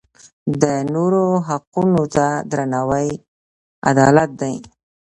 د نورو حقونو ته درناوی عدالت دی.